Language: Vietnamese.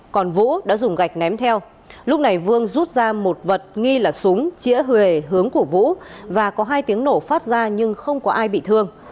còn vũ đã dùng gạch ném theo lúc này vương rút ra một vật nghi là súng chĩa hùa hướng của vũ và có hai tiếng nổ phát ra nhưng không có ai bị thương